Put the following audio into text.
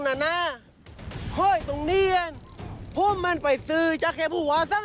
สองนัดเล็กพุ่มยิงคู่นะนัดต่อไปพุ่มเลือกพวกขายชีวิตเลยตามจิ้น